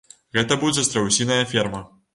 Гэта будзе страусіная ферма.